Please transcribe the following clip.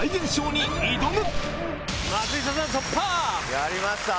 やりました！